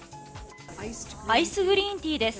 アイスグリーンティーです。